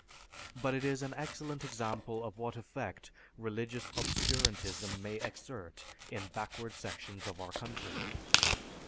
But it is an excellent example of what effect religious obscurantism may exert in backward sections of our country.